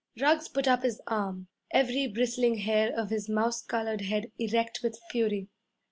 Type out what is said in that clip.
Ruggs put up his arm, every bristling hair of his mouse colored head erect with fury.